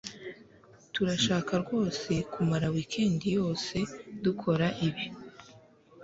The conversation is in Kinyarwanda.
Turashaka rwose kumara weekend yose dukora ibi